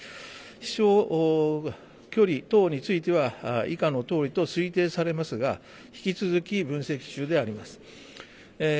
飛しょう距離等にについては以下のとおりと推定されますが引き続き分析中であります。